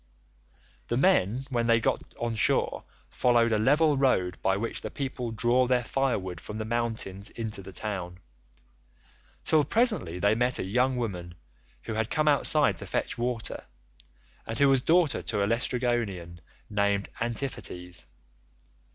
"The men when they got on shore followed a level road by which the people draw their firewood from the mountains into the town, till presently they met a young woman who had come outside to fetch water, and who was daughter to a Laestrygonian named Antiphates.